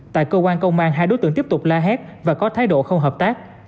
tại cơ quan công an hai đối tượng tiếp tục la hét và có thái độ không hợp tác